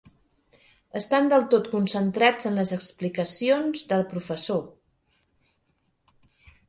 Estan del tot concentrats en les explicacions del professor.